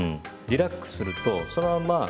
リラックスするとそのまんま眠れちゃう。